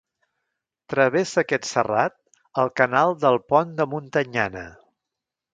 Travessa aquest serrat el Canal del Pont de Montanyana.